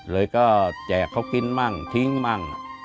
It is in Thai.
เลยก็แจกเขากินมั่งทิ้งมั่ง